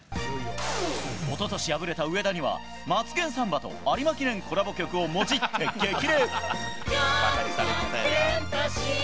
おととし敗れた上田には、マツケンサンバと有馬記念コラボ曲をもじって激励。